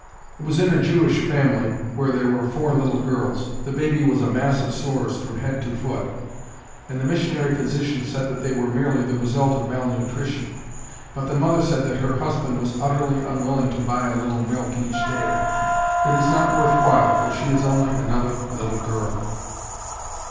It was in a Jewish family where there were four little girls. The baby was a mass of sores from head to foot, and the missionary physician said that they were merely the result of mal nutrition. But the mother said that her husband was utterly unwilling to buy a little milk each day, "It is not worth while, for she is only another little girl."